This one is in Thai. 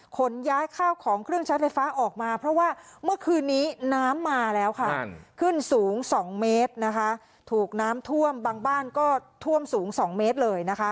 ขนย้ายข้าวของเครื่องใช้ไฟฟ้าออกมาเพราะว่าเมื่อคืนนี้น้ำมาแล้วค่ะขึ้นสูง๒เมตรนะคะถูกน้ำท่วมบางบ้านก็ท่วมสูง๒เมตรเลยนะคะ